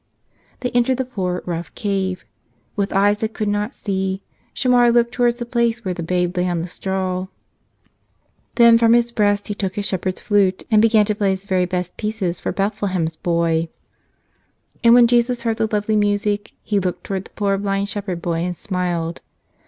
They entered the poor, rough cave. With eyes that could not see, Shamar looked towards the place where the Babe lay on the straw. Then from his breast he took his shepherd's flute and began to play his very best pieces for Bethlehem's Boy. And when Jesus heard the lovely music He looked towards the poor blind shepherd boy and smiled.